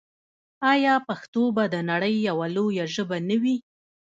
آیا پښتو به د نړۍ یوه لویه ژبه نه وي؟